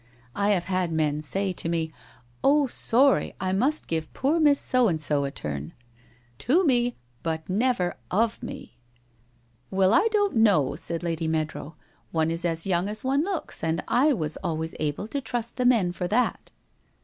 I have had men say to me, " Oh, sorry, I must give poor Miss So and so a turn !,: To me, but never of me !'* Well, I don't know/ said Lady Meadrow, ' one is as vouner as one looks and I was alwavs able to trust the men for that.'